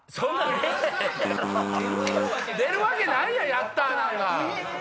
出るわけないやん「ヤッター」なんか。